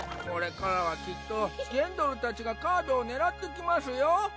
これからはきっとジェンドルたちがカードを狙ってきますよ！